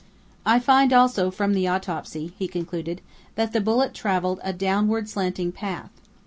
"I find, also, from the autopsy," he concluded, "that the bullet traveled a downward slanting path.